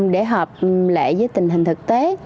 để hợp lệ với tình hình thực tế